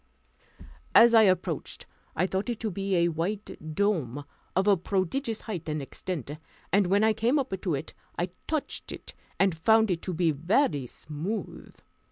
As I approached, I thought it to be a white dome, of a prodigious height and extent; and when I came up to it, I touched it, and found it to be very smooth.